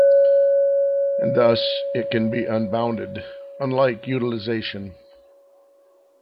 And thus it can be unbounded; unlike utilization.